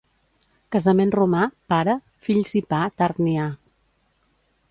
Casament romà, pare, fills i «pa» tard n'hi ha.